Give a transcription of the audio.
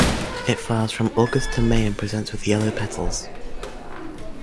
It flowers from August to May and presents with yellow petals.